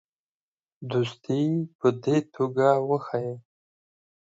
دوستي په دې توګه وښیي.